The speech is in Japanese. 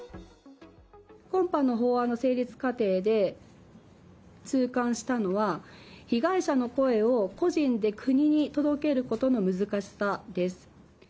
今般の法案の成立過程で、痛感したのは、被害者の声を、個人で国に届けることの難しさです。